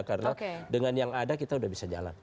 karena dengan yang ada kita sudah bisa jalan